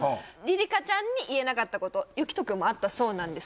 りかちゃんに言えなかったことゆきとくんもあったそうなんです